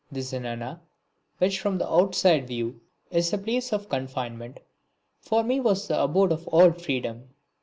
The zenana, which from an outside view is a place of confinement, for me was the abode of all freedom.